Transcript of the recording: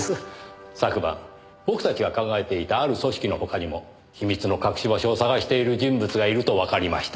昨晩僕たちが考えていたある組織の他にも秘密の隠し場所を探している人物がいるとわかりました。